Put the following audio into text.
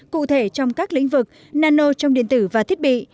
cụ thể trong các lĩnh vực nano trong điện tử và thiết bị